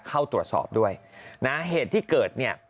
เข้าตรวจสอบด้วยนะเหตุที่เกิดเนี่ย